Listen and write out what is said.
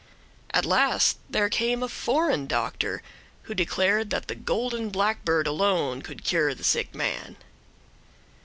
At last there came a foreign doctor, who declared that the golden blackbird alone could cure the sick man.